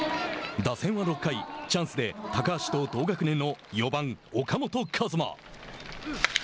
打線は６回、チャンスで高橋と同学年の４番岡本和真。